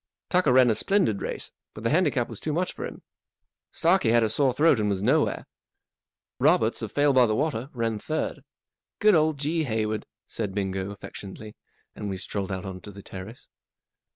Tucker ran a splendid race, but the handicap was too much for him. Starkie had a sore throat and was nowhere. Roberts, of Fale by the Water, ran third. Good old G. Hayward !" said Bingo, affectionately, and we strolled out on to the terrace.